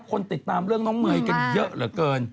คนติดตามเรื่องน้องเมย์กันเยอะเหลือเกิน